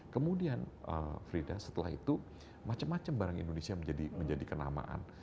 kemudian frida setelah itu macam macam barang indonesia menjadi kenamaan